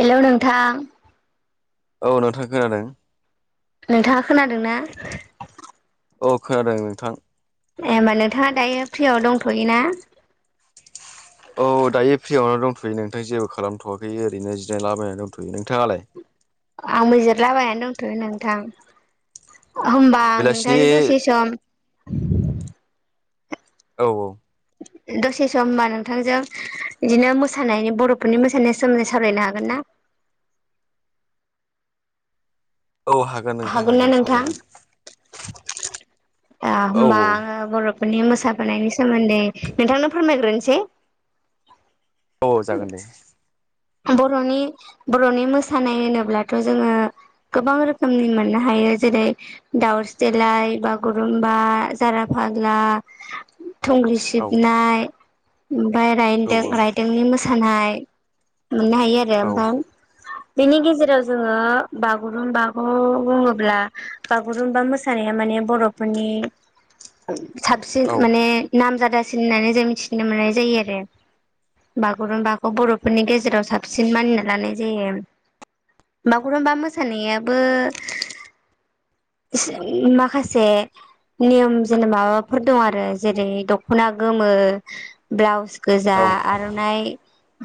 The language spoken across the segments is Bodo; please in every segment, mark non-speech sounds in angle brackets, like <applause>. हेल' नोंथां। औ नोंथां खोनादों। नोंथाङा खोनादोंना औ खोनादों नोंथां ए होमबा नोंथाङा दायो फ्रियाव दंथ'योना औ दायो फ्रियावनो दंथ'यो नोंथां जेबो खालामथ'वाखै ओरैनो जिरनायलाबायनानै दंथ'यो नोंथाङालाय आंबो जिरायलाबायनानो दंथ'यो नोंथां अ होमब्ला आं बेलासिनि नोंथांजों दसे सम औ औ दसे सम होमबा नोंथांजों बिदिनो मोसानायनि बर'फोरनि मोसानाय सोमोन्दै सावरायनो हागोन ना। औ हागोन नोंथां ना हागोन नोंथां सोंजागोन। अ औ होमबा आङो बर'फोरनि मोसाबोनायनि सोमोन्दै नोंथांनो फोरमायग्रोनोसै। औ जागोन दे। बर'नि बर'नि मोसानाय होनोब्लाथ' जोंङो गोबां रोखोमनि मोननो हायो जेरै दाउस्रि देलाय बागुरुम्बा जारा फाग्ला थुंग्रि औ सिबनाय ओमफ्राय औ रायदों रायदोंनि मोसानाय। मोननो हायो आरो ओमफ्राय बेनि गेजेराव जोंङो बागुरुम्बाखौ बुङोब्ला बागुरुम्बा मोसानाया माने बर'फोरनि साबसिन माने नाम जादासिन होननानै जों मिथिनो मोननाय जायो आरो बागुरुम्बाखौ बर'फोरनि गे जेराव साबसिन मानिना लानाय जायो बागुरुम्बा मोसानायाबो माखासे नियम जेनेबा माबाफोर दं आरो जेरै दख'ना गोमो ब्लाउस औ गोजा आरो आर'नाइ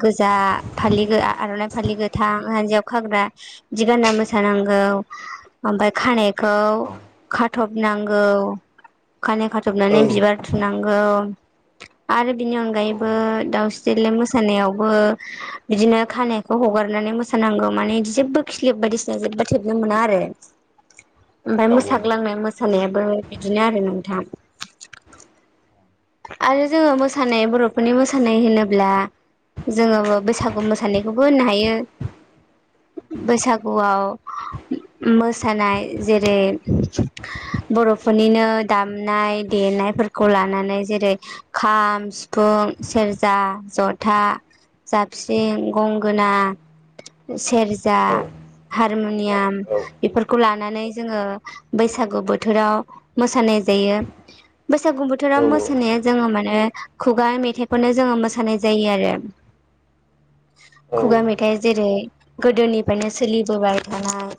गोजा फालि गो आर'नाइ फालि गोथां जानजियाव खाग्रा बिदि गानना मोसानांगौ ओमफाय खानाइखौ खाथब नांगौ खानाय खाथबनानै बिबार थुनांगौ आरो बिनि अनगायैबो दाउस्रि देलाय मोसानायावबो बिदिनो खानायखौ हगारनानै मोसानांगौ माने इदि जेबो खिलिब बायदिसिना जेबो थेबनो मोना आरो। ओमफाय मोसाग्लांनाय मोसानायाबो बिदिनो आरो नोंथां आरो जोंङो मोसानाय बर'फोरनि मोसानाय होनोब्ला जोंङो बैसागु मोसानायखौबो होननो हायो। बैसागुआव मोसानाय जेरै बर'फोरनिनो दामनाय देनायफोरखौ लानानै‌ जेरै खाम सिफुं सेरजा जथा जाबस्रिं गंगोना सेरजा औ हारमुनियाम बेफोरखौ लानानै जोंङो बैसागु बोथोराव मोसानाय जायो। बैसागु बोथोराव मोस जोंङो माने खुगा मेथाइखौनो जोंङो मोसानाय जायो आरो। खुगा मेथाइ जेरै गोदोनिफ्रायनो सोलिबोबाय थानाय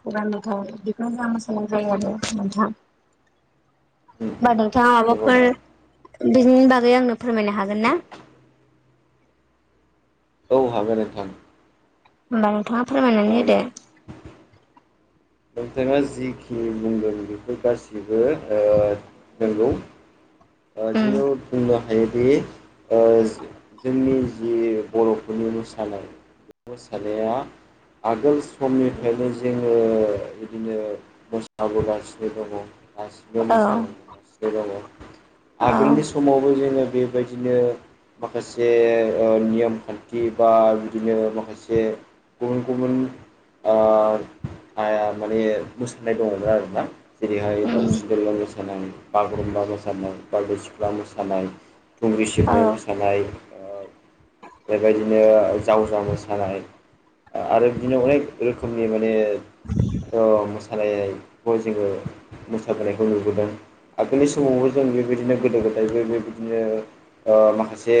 खुगा मेथाइ बेफोरखौनो मोसानाय जायो आरो नोंथां। होमबा नोंथाङा नंगौ नोंथां माबाफोर बिदिनि बागै आंनो फोरमायनो हागोनना। औ हागोन नोंथां होमबा नोंथाङा फोरमायनानै होदो। नोंथाङा जिखिनि बुंदों बेफोर गासिबो ओ नोंगौ ओ उम जिबो बुंदों हायोदि ओह जोंनि जि बर'फोरनि मोसानाय मोसानाया आगोल समनिफ्रायनो जोङो बिदिनो मोसाबोगासिनो दङ दासिमबो औ मोसागासिनो दङ औ आगोलनि समावबो जोङो बेबायदिनो माखासे ओ नियमखान्थि बा बिदिनो माखासे गुबुन गुबुन आ <unintelligible> माने मोसानाय दङमोन आरोना जेरैहाय उम दाउस्रि देलाय मोसानाय बागुरुम्बा मोसानाय बारदै सिख्ला मोसानाय थुंग्रि औ सिबनाय मोसानाय ओ बेबायदिनो जावजा मोसानाय आरो बिदिनो अनेक रोखोमनि माने ओ मोसा सानायखौ जोङो मोसाबोनायखौ नुबोदों आगोलनि समावबो जों बे बेबायदिनो गोदो गोदायबो बेबायदिनो ओ माखासे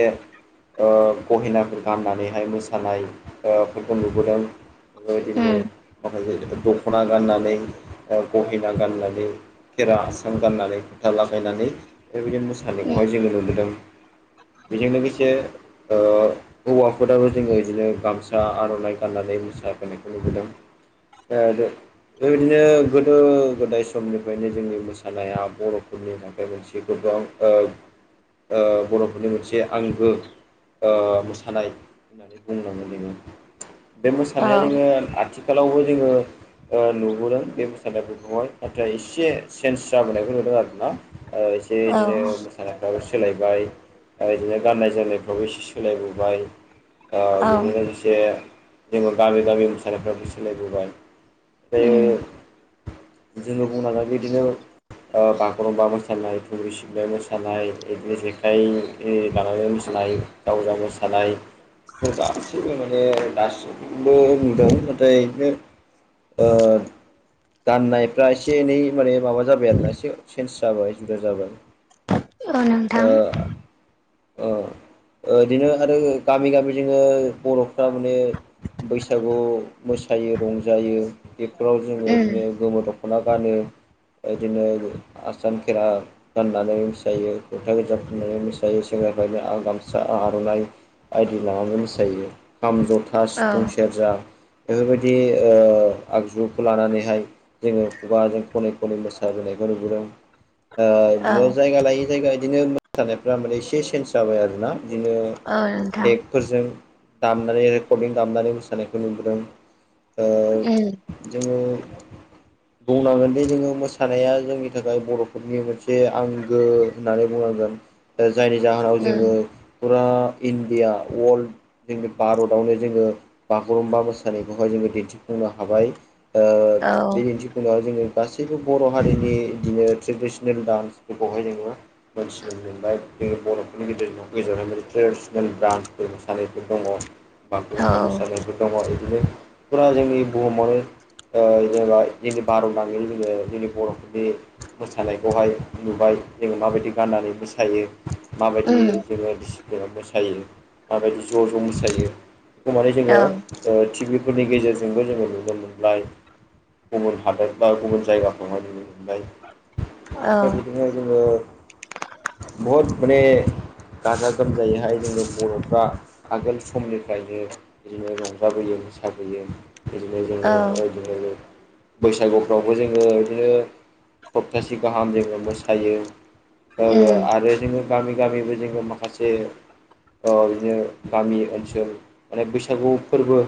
ओह गहेनाफोर गान्नानैहाय मोसानाय ओ फोरखौ नुबोदों बेबायदिनो उम माखासे दख'ना गाननानै ओ गहेना गाननानै खेरा आसान गाननानै फोथा लागायनानै बेबायदिनो उम मोसानायखौहाय जोङो नुबोदों बेजों लोगोसे ओ हौवाफोराबो जोङो इदिनो गामसा आर'नाइ गाननानै मोसाबोनायखौ नुबोदों <unintelligible> बेबायदिनो गोदो गोदाय समनिफ्रायनो जोंनि मोसानाया बर'फोरनि थाखाय मोनसे <unintelligible> बर'फोरनि मोनसे आंगो मोसानाय होननानै बुंनङो जोङो बे औ मोसानाया जोङो आथिखालावबो जोङो ओ नुबोदों बे मोसानायानायफोरखौहाय नाथाय एसे चेन्ज जाबोनायफोर नुदों आरोना एसे औ बिदिनो सानायफ्राबो सोलायबाय आरो बिदिनो गाननाय जोमनायफ्रावबो एसे सोलायबोबाय औ बेजों लोगोसे जोङो गामि गामि मोसानायफ्राबो सोलायबोबाय ओमफ्रायो उम जोङो बुंनांगोन बेबादिनो ओ बागुरुम्बा मोस सानाय <unintelligible> मोसानाय यिदिनो जेखाइ लानानै मोसानाय जावजा मोसानाय गासैबो माने दासिमबो नुदों नाथाय यिदिनो ओ गाननायफ्रा एसे एनै माने माबा जाबाय आरोना एसे चेन्ज जाबाय सुबिदा जाबाय औ नोंथां ओ <inaudible> ओ यिदिनो आरो गामि गामि जोंङो बर'फ्रा माने बैसागु मोसायो रंजायो बेफोराव जोङो उम यिदिनो गोमो दख'ना गानो यिदिनो आसान खेरा गाननानै मोसायो फथा गोजा फुनानै सेंग्राफोरा बिदिनो आ गामसा आर'नाइ बायदि लानानै मोसायो खाम जथा औ सिफुं सेरजा बेफोरबायदि ओ आगजुखौ लानानैहाय जोङो खुगाजों खनै खनै मोसा बोनायखौ नुबोदों औ बिदिनो जायगा लायै जायगा बिदिनो मोसानायफ्रा माने एसे चन्ज जाबाय आरोना बिदिनो औ नोंथां फोरजों दामनानै रेकर्डिं दामनानै मोसानायखौ नुबोदों ओ उम जोङो बुंनांगोन दि जोङो मोसानाया जोंनि थाखाय बर' फोरनि मोनसे आंगो होननानै बुंनांगोन। दा जायनि जाहोनाव उम जोङो फुरा इण्डिया वर्ल्ड जोंनि भारतआवनो जोङो बागुरुम्बा मोसानायखौहाय जोङो दिन्थिफुंनो हाबाय। ओ औ बे दिन्थिफुंनायाव जोङो गासैबो बर' हारिनि बिदिनो ट्रेडिसनेल डान्स बेखौहाय जोङो मोनथिनो मोनबाय जोंनि बर'फोरनि गेजेराव <unintelligible> ट्रेडिसनेल ब्रान्सफोर मोसानायफोर दङ। बागुरुमबा औ मोसानायफोर दङ बिदिनो फुरा जोंनि बुहुमावनो ओ जेनेबा जोंनि भारत नाङैनो जोङो जोंनि बर'फोरनि मोसानायखौहाय नुबाय जोङो माबायदि गाननानै मोसायो माबायदि ओम जोङो बि <unintelligible> मोसायो माबायदि ज' ज' मोसायो बेखौ माने औ जोङो ओ टिभिफोरनि गेजेरजोंबो जोङो नुनो मोनबाय। गुबुन हादर बा गुबुन जायगाफ्रावहाय नुनो मोनबाय। औ आमफ्राय बिदिनो जोङो बहुद माने गाजा गोमजायैहाय जोङो बर'फ्रा आगोल समनिफ्रायनो बिदिनो रंजाबोयो मोसाबोयो। बिदिनो औ जोङो बिदिनो बैसागुफ्रावबो जोङो बिदिनो सप्तासे गाहाम जोङो मोसायो। ओ ओम आरो जोङो गामि गामिबो जोङो माखासे ओ बिदिनो गामि ओनसोल माने बैसागु फोरबो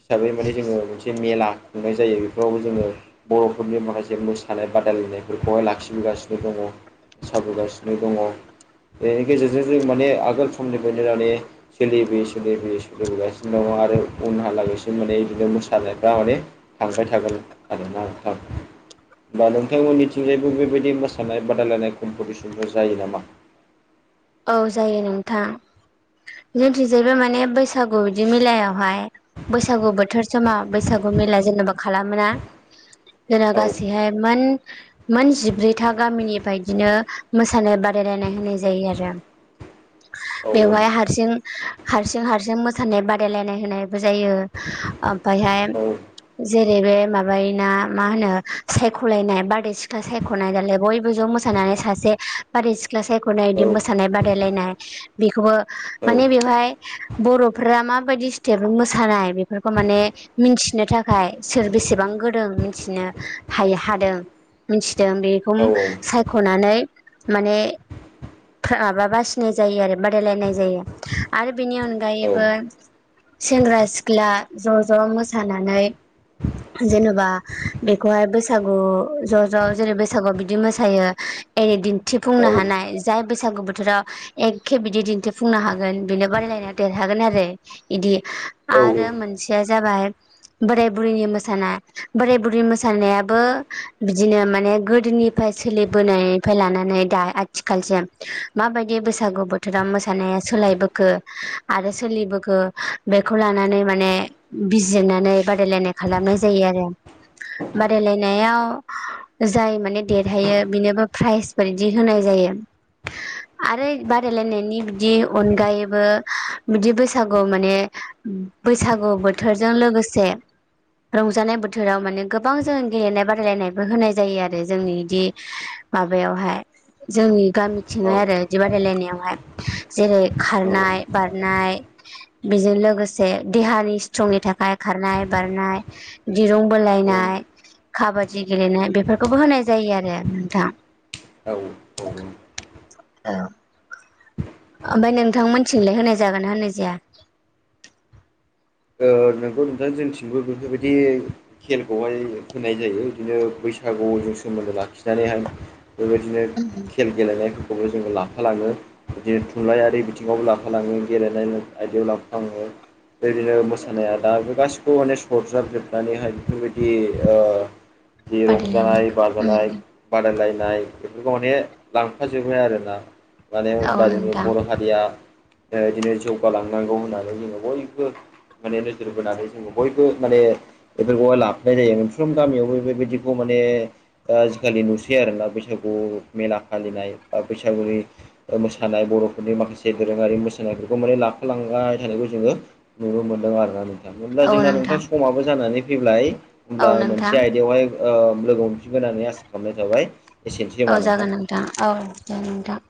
हिसाबै माने जोङो मोनसे मेला खुंनाय जायो बेफोरावबो जोङो बर'फोरनि माखासेे मोसानाय बादायलायनायफोरखौहाय लाखिबोगासिनो दङ, मोसाबोगासिनो दङ। बेनि गेजेरजों जों माने आगोल समनिफ्रायनो माने सोलिबोयै सोलिबोयै सोलिबोगासिनो दङ आरो उनहालागैसिम माने इदिनो मोसानायफ्रा माने थांबाय थागोन आरोना नोंथां। होनबा नोंथांमोननिथिंजायबो बेबायदि मोसानाय बादायलायनाय कम्पिटिसनफोर जायो नामा? औ जायो नोंथां जोंनिथिंजायबो माने बैसागु बेदि मेलायावहाय बैसागु बोथोर समा बैसागु मेला जेन'बा खालामोना। जोंना औ गासैहाय मोन मोन जिब्रैथा गामिनिफ्राय इदिनो मोसानाय बादायलायनाय होनाय जायो आरो। औ बेवहाय हारसिं हारसिं हारसिं मोसानाय बादायलायनाय होनायबो जायो। आमफायहाय औ जेरै बे माबायोना मा होनो सायख'लायनाय बारदै सिख्ला साय ख'नाय दालाय बयबो ज' मोसानानै सासे बारदै सिख्ला सायख'नाय औ बिदि मोसानाय बादायलायनाय बेखौबो माने बेवहाय बर'फ्रा माबायदि स्टेपजों मोसानाय बेफोरखौ माने मिनथिनो थाखाय सोर बेसेबां गोरों मिथिनो हायो हादों मिनथिदों बेखौ औ सायख'नानै माने खा माबा बासिनाय जायो आरो बादायलायनाय जायो आरो बेनि अनगायैबो सेंग्रा सिख्ला ज' ज' मोसानानै जेनेबा बेखौहाय बैसागु ज' ज' जेरै बैसागुआव बिदि मोसायो एरै औ दिन्थिफुंनो हानाय, जाय बैसागु बोथोराव एखे बिदि दिन्थिफुंनो हागोन बेनो बादायलायनाय देरहागोन आरो। इदि आरो मोनसेया जाबाय बोराय बुरैनि मोसानाय बोराय बुरै मोसानायाबो बिदिनो माने गोदोनि फाय सोलिबोनायनिफ्राय लानानै दा आथिखालसिम मा बायदि बैसागु बोथोरा मोसानाया सोलायबोखो आरो सोलिबोखो बेखौ लानानै माने बिजिरनानै बादायलायनाय खालामनाय जायो आरो। बादाय लायनायाव जाय माने देरहायो बिनोबो प्राइज बायदि होनाय जायो। आरो बादायलायनायनि बिदि अनगायैबो बिदि बैसागु माने उम बैसागु बोथोरजों लोगोसे रंजानाय बोथोराव माने गोबां जों गेलेनाय बादायलायनायबो होनाय जायो आरो जोंनि इदि माबायावहाय जोंनि गामि थिंहाय आरो इदि बादायलायनायावहाय जेरै खारनाय बारनाय बेजों लोगोसे देहानि सिथ्रंनि थाखाय खारनाय बारनाय दिरुं बोलायनाय खाबादि गेलेनाय बेफोरखौबो होनाय जायो आरो नोंथां। औ औ। औ <unintelligible> आमफाय नोंथांमोनथिंलाय होनाय जागोना होननाय जाया? ओ नोंगौ नोंथां जोंथिंबो बेफोर बायदि खेलखौहाय होनाय जायो इदिनो बैसागुजों सोमोन्दो लाखिनानैहाय। बेबायदिनो खेल गेलेनायफोरखौबो जोङो लाफालाङो। बिदि थुनलाइ आरि बिथिङावबो लाफा लाङो गेलेनाय आयदायाव लाफालाङो। दिनो मोसानाया दा बे गासैखौबो माने सरजाब जोबनानैहाय बेफोरबायदि ओ जि रंजानाय बाजानाय बादायलायनायखौ बादायलायनाय बेफोरखौ माने लांफाजोबो आरोना माने औ होमबा जोंनि नोंथां बर' हारिया ओ दिनै जौगालांनांगौ होननानै जोङो बयबो माने नोजोर बोनानै जों बयबो माने बेफोरखौहाय लाफानाय जायो मोनफ्रोम गामियावबो बेबायदिखौ माने ओ आजिखालि नुसै आरोना बैसागु मेला फालिनाय बा बैसागुनि ओ मोसानाय बर'फोरनि माखासे दोरोङारि मोसानायफोरखौ माने लाफालांबाय थानायखौ जोङो नुनो मोनदों आरोना नोंथां अब्ला जोंना नोंथां समाबो जानानै फैब्लाय होमब्ला औ मोनसे नोंथां आयदायावहाय ओ लोगो मोनफिगोनखौहाय आसा खालामनाय थाबाय। एसेनोसै औ होनबा जागोन नोंथां औ जागोन नोंथां।